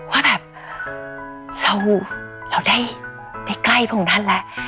ว่าแบบเราได้ใกล้พระองค์ท่านแล้ว